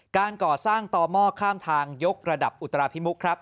การก่อสร้างต่อหม้อข้ามทางยกระดับอุตราพิมุกครับ